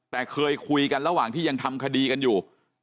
แต่เคยคุยกันระหว่างที่ยังทำคดีกันอยู่